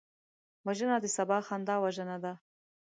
وژنه د سبا خندا وژنه ده